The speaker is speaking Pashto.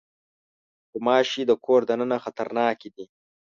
غوماشې د کور دننه خطرناکې دي.